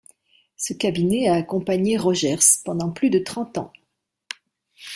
Ce cabinet a accompagné Rogers pendant plus de trente ans.